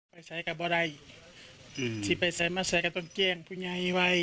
ไปใส่กับบ่ได้ที่ไปใส่มาใส่ก็ต้องแจ้งผู้ใหญ่ให้ไว้